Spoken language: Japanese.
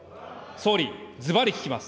総理、ずばり聞きます。